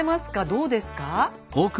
どうですか？